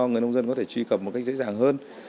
người nông dân có thể truy cập một cách dễ dàng hơn